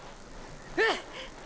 うん！！